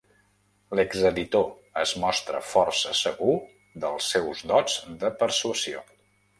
L'exeditor es mostra força segur dels seus dots de persuasió.